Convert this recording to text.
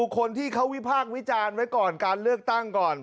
คนที่เขาวิพากษ์วิจารณ์ไว้ก่อนการเลือกตั้งก่อน